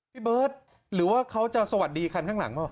พี่เบิร์ตหรือว่าเขาจะสวัสดีคันข้างหลังเปล่า